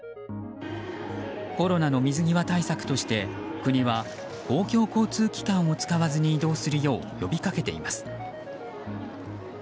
コロナの水際対策として、国は公共交通機関を使わずに移動するよう呼びかけています。